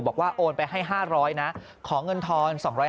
บอกว่าโอนไปให้๕๐๐บาทของเงินทอน๒๕๐